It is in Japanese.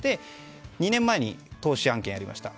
２年前に投資案件がありました。